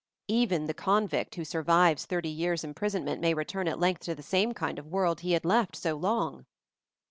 Even the convict who survives thirty years imprisonment, may return at length to the same kind of world he had left so long.